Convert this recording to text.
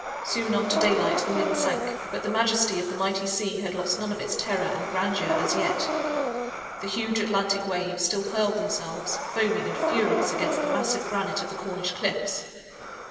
Soon after daylight the wind sank; but the majesty of the mighty sea had lost none of its terror and grandeur as yet. The huge Atlantic waves still hurled themselves, foaming and furious, against the massive granite of the Cornish cliffs.